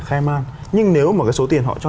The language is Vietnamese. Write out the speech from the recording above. khai man nhưng nếu mà cái số tiền họ cho